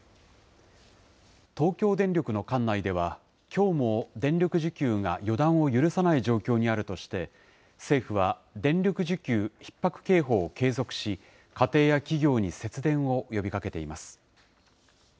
東京電力の管内では、きょうも電力需給が予断を許さない状況にあるとして、政府は、電力需給ひっ迫警報を継続し、家庭や企業に節電を呼びかけています。